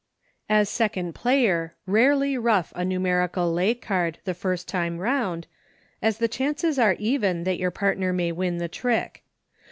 As second player rarely ruff a numerical lay card the first time round, as the chances are even that your partner may win the trick.